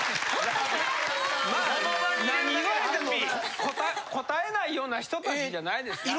何言われてもこたえないような人たちじゃないですか。